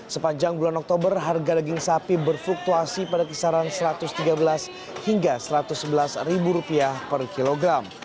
sepanjang bulan oktober harga daging sapi berfluktuasi pada kisaran rp satu ratus tiga belas hingga rp satu ratus sebelas per kilogram